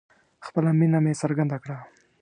خپله مینه مې څرګنده کړه